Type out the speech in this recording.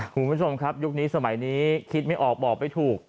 คุณผู้ชมครับยุคนี้สมัยนี้คิดไม่ออกบอกไม่ถูก